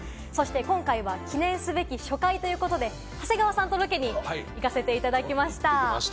今回は記念すべき初回ということで、長谷川さんとロケに行かせていただきました。